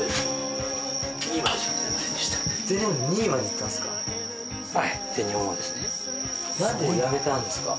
全日本２位までいったんすか？